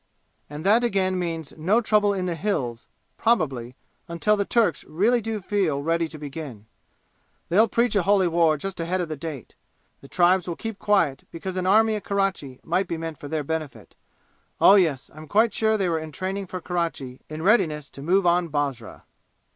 And that again means no trouble in the Hills probably until the Turks really do feel ready to begin. They'll preach a holy war just ahead of the date. The tribes will keep quiet because an army at Kerachi might be meant for their benefit. Oh, yes, I'm quite sure they were entraining for Kerachi in readiness to move on Basra.